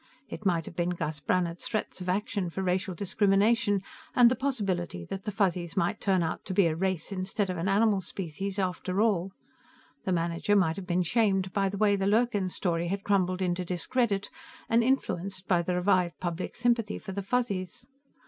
It might have been Gus Brannhard's threats of action for racial discrimination and the possibility that the Fuzzies might turn out to be a race instead of an animal species after all. The manager might have been shamed by the way the Lurkin story had crumbled into discredit, and influenced by the revived public sympathy for the Fuzzies.